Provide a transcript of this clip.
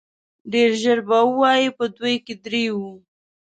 ډېر ژر به ووايي په دوی کې درې وو.